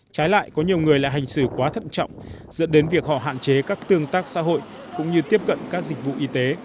trái lại có nhiều người lại hành xử quá thận trọng dẫn đến việc họ hạn chế các tương tác xã hội cũng như tiếp cận các dịch vụ y tế